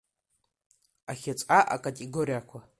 Ахьыӡҟа акатегориақәа…